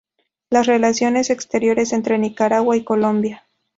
Las relaciones exteriores entre Nicaragua y Colombia.